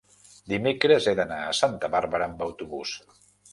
dimecres he d'anar a Santa Bàrbara amb autobús.